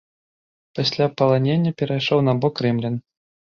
Пасля паланення перайшоў на бок рымлян.